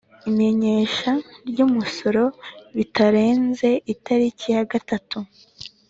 imenyesha ry umusoro bitarenze itariki ya gatatu